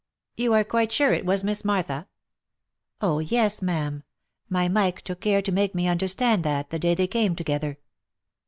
" You are quite sure it was Miss Martha?" " Oh, yes ! ma'am ; my Mike took care to make me understand that, the day they came together."